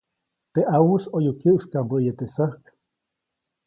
Teʼ ʼawuʼis ʼoyu kyäʼskaʼmbäʼäye teʼ säjk.